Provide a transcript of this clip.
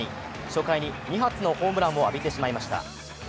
初回に２発のホームランを浴びてしまいました。